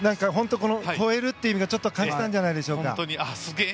超えるという意味を感じたんじゃないんでしょうか。